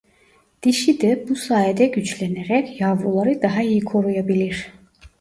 Dişi de bu sayede güçlenerek yavruları daha iyi koruyabilir.